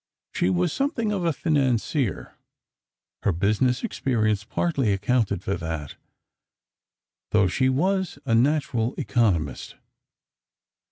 She was something of a financier; her business experience partly accounted for that, though she was a natural economist.